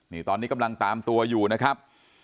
นี่ตอนนี้กำลังตามตัวอยู่นะครับ